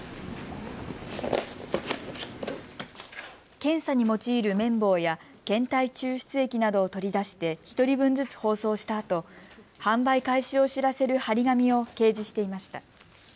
検査に用いる綿棒や検体抽出液などを取り出して１人分ずつ包装したあと販売開始を知らせる貼り紙を掲示していました。